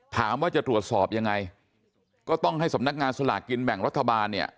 ถามว่าจะตรวจสอบยังไงก็ต้องให้สำนักงานสลากกินแบ่งรัฐบาลเนี่ย